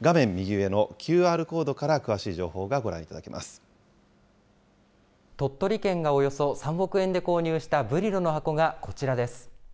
画面右上のＱＲコードから詳しい鳥取県がおよそ３億円で購入したブリロの箱がこちらです。